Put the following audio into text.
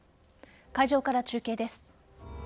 会場から中継です。